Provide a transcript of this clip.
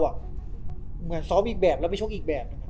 ฟกอีกแบบเราไปฟกอีกแบบ